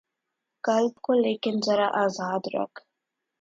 قلب کو لیکن ذرا آزاد رکھ